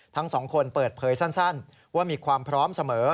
ทั้งสองคนเปิดเผยสั้นว่ามีความพร้อมเสมอ